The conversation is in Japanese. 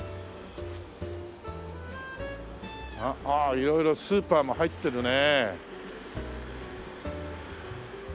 ああ色々スーパーも入ってるね。